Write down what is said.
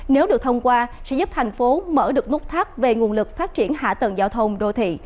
nếu được thông qua sẽ giúp thành phố mở được nút thắt về nguồn lực phát triển hạ tầng giao thông đô thị